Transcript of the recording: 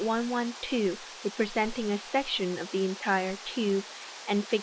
112, represent ing a section of the entire tube, and Fig.